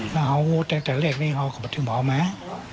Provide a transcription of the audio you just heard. ถ้าเขาโง่ตั้งแต่เลขเนี่ยเขาก็ไปถึงหมอแม้